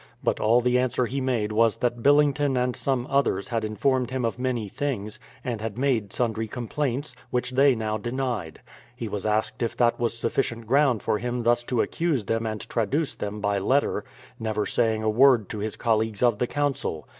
But all the answer he made was that Billington and some others had informed him of many things, and had made sundry complaints, — which they now denied. He was asked if that was sufficient ground for him thus to accuse them and traduce them by letter, never saying a word to his colleagues of the council.